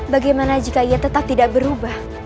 bagaimana jika ia tetap tidak berubah